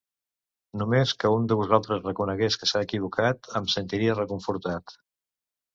Només que un de vosaltres reconegués que s’ha equivocat em sentiria reconfortat.